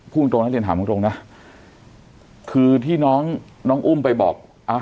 พูดตรงนะเรียนถามตรงนะคือที่น้องอุ้มไปบอก